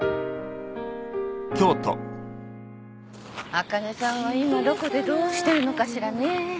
あかねさんは今どこでどうしてるのかしらね？